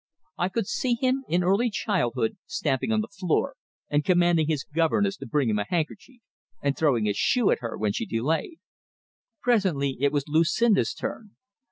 I could see him in early childhood, stamping on the floor and commanding his governess to bring him a handkerchief and throwing his shoe at her when she delayed! Presently it was Lucinda's turn.